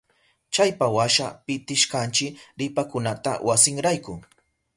Chaypawasha pitishkanchi ripakunata wasinrayku.